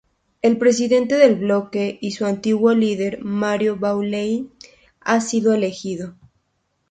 El Presidente del Bloque y antiguo líder, Mario Beaulieu ha sido elegido.